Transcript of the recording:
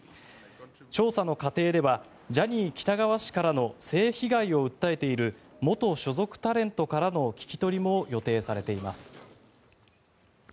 調査の過程ではジャニー喜多川氏からの性被害を訴えている元所属タレントからの聞き取りも予定されています。